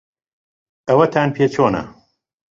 ئەوەتان پێ چۆنە؟